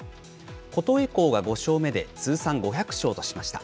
琴恵光が５勝目で通算５００勝としました。